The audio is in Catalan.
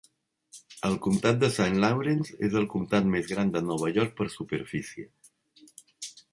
El comtat de Saint Lawrence és el comtat més gran de Nova York per superfície.